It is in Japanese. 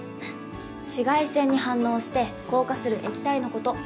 紫外線に反応して硬化する液体のこと。